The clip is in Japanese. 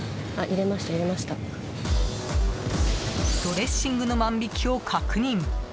ドレッシングの万引きを確認。